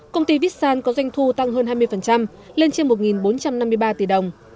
công ty vitsan có doanh thu tăng hơn hai mươi lên trên một bốn trăm năm mươi ba tỷ đồng